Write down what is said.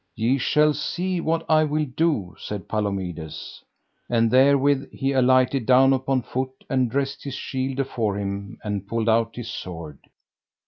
Ye shall see what I will do, said Palomides. And therewith he alighted down upon foot, and dressed his shield afore him and pulled out his sword.